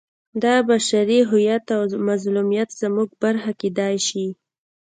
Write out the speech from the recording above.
دا بشري هویت او مظلومیت زموږ برخه کېدای شي.